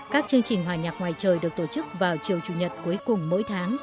các chương trình hòa nhạc ngoài trời được tổ chức vào chiều chủ nhật cuối cùng mỗi tháng